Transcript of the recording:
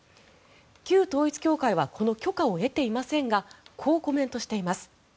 旧統一教会はこの許可を得ていませんがこうコメントしています。